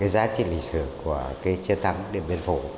giá trị lịch sử của chiến thắng điện biên phủ